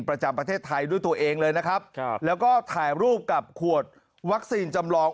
ประจำประเทศไทยด้วยตัวเองและถ่ายรูปกับขวดวัคซีนจำลอง